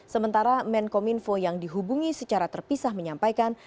sementara menkominfo yang dihubungi secara terpisah menyampaikan